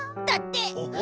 だって。